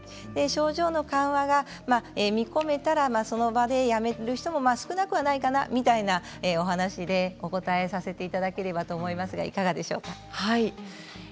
症状の緩和が見込めたらその場でやめる人も少なくはないかなみたいなお話でお答えさせていただければと思いますが、いかがでしょうか。